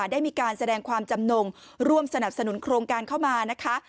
ได้มีการแสดงความจำนงร่วมสนับสนุนโครงการเข้ามานะคะ